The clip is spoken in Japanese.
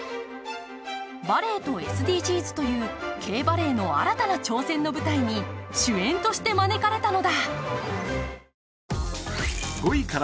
バレエとＳＤＧｓというＫバレエの新たな挑戦の舞台に主演として招かれたのだ。